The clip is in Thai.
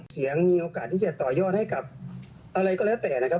เสียงมีโอกาสที่จะต่อยอดให้กับอะไรก็แล้วแต่นะครับ